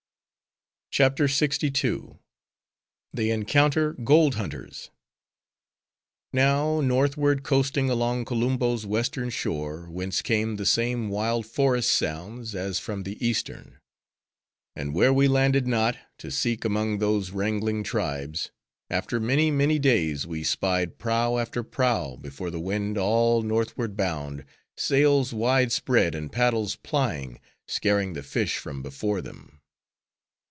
CHAPTER LXII. They Encounter Gold Hunters Now, northward coasting along Kolumbo's Western shore, whence came the same wild forest sounds, as from the Eastern; and where we landed not, to seek among those wrangling tribes;—after many, many days, we spied prow after prow, before the wind all northward bound: sails wide spread, and paddles plying: scaring the fish from before them.